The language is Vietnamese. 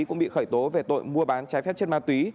cũng bị khởi tố về tội mua bán trái phép chất ma túy